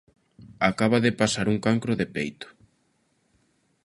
Acaba de pasar un cancro de peito.